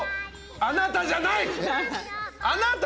あなたじゃない！